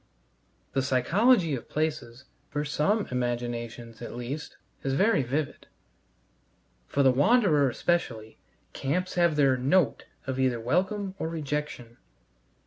The psychology of places, for some imaginations at least, is very vivid; for the wanderer, especially, camps have their "note" either of welcome or rejection.